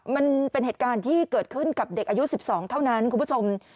มันเป็นเหตุการณ์ที่เกิดขึ้นกับเด็กอายุ๑๒เท่านั้นคุณผู้ชม